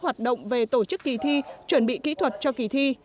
tổng số nghề tổ chức kỳ thi chuẩn bị kỹ thuật cho kỳ thi